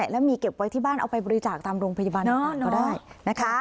แล้วมีเก็บไว้ที่บ้านเอาไปบริจาคตามโรงพยาบาลอื่นก็ได้นะคะ